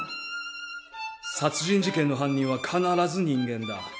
殺人事件の犯人は必ず人間だ